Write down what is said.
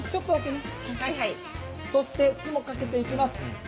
そして酢もかけていきます。